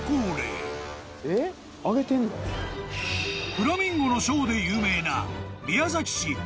［フラミンゴのショーで有名な］